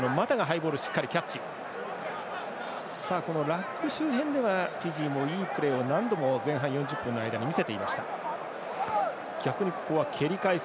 ラック周辺ではフィジーもいいプレーを何度も前半４０分の間に見せていました。